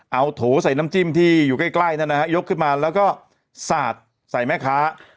เอาโถใส่น้ำจิ้มที่อยู่ใกล้นั่นนะฮะยกขึ้นมาแล้วก็สาดใส่แม่ค้า